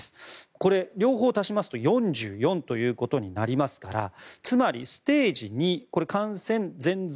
これ、両方足しますと４４ということになりますからつまりステージ２感染漸増